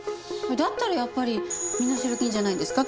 だったらやっぱり身代金じゃないんですか？